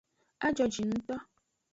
A jojinungto.